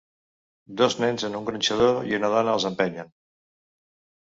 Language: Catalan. Dos nens en un gronxador i una dona els empenyen